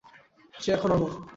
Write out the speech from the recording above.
সে এখন অমর!